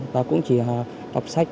và cũng chỉ đọc sách